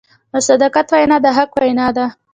د صداقت وینا د حق وینا ده.